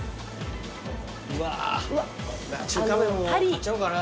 うわ中華麺も買っちゃおうかな。